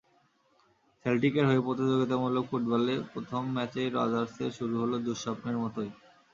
সেল্টিকের হয়ে প্রতিযোগিতামূলক ফুটবলে প্রথম ম্যাচেই রজার্সের শুরু হলো দুঃস্বপ্নের মতোই।